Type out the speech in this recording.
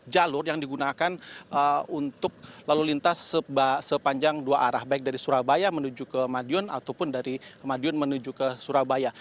jalur yang digunakan untuk lalu lintas sepanjang dua arah baik dari surabaya menuju ke madiun ataupun dari kemadiun menuju ke surabaya